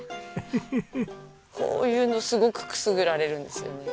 こういうのすごくくすぐられるんですよね。